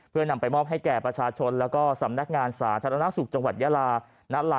เพื่อนำไปมอบให้แก่ประชาชนและสำนักงานศาสตร์ชาตนาสุขจังหวัดยาลา